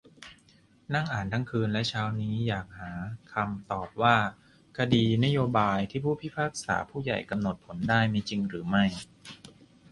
นั่งอ่านทั้งคืนและเช้านี้ อยากหาคำตอบว่า "คดีนโยบาย" ที่ผู้พิพากษาผู้ใหญ่กำหนดผลได้ มีจริงหรือไม่ ?